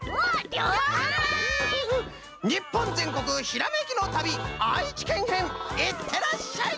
日本全国ひらめきの旅愛知県編いってらっしゃい！